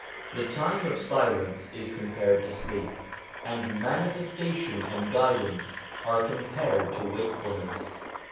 The time of silence is compared to sleep, and manifestation and guidance are compared to wakefulness.